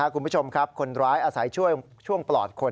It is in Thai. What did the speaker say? คุณผู้ชมครับคนร้ายอาศัยช่วงปลอดคน